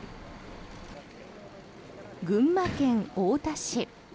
群馬県太田市。